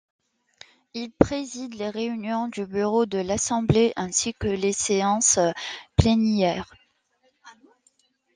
Il préside les réunions du bureau de l'assemblée ainsi que les séances plénières.